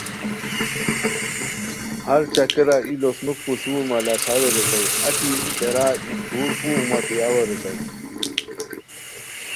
ہر چکرا ای لوسنوک پوشور مہ لاساوے ریتائے اچی پیرا ای ٹھور اوغ مہ پیاوے ریتائے